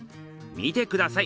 見てください